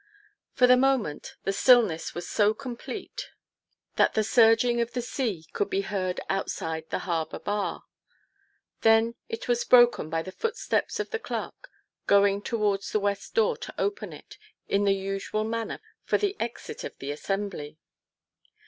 For the moment the stillness was so complete THOMAS HARDY. ioo TO PLEASE HIS WIFE. that the surging of the sea could\ be heard outside the harbour bar. Then it was broken by the footsteps of the clerk going towards the west door to open it in the usual manner for the exit of the assembly.